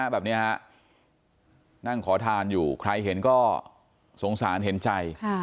แบบนี้ฮะนั่งขอทานอยู่ใครเห็นก็สงสารเห็นใจ